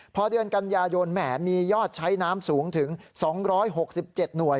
พอเดือนกันยายนแหมมียอดใช้น้ำสูงถึง๒๖๗หน่วย